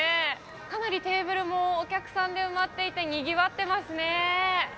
かなりテーブルもお客さんで埋まっていて、にぎわってますね。